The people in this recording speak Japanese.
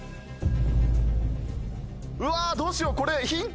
うわどうしようこれヒント。